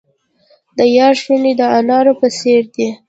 د یار شونډې د انارو په څیر دي.